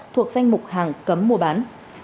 thuộc danh mục hàng cấm mua bán